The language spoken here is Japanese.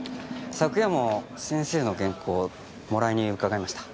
昨夜も先生の原稿をもらいに伺いました。